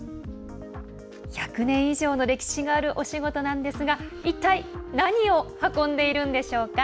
１００年以上の歴史があるお仕事なんですが一体何を運んでいるんでしょうか。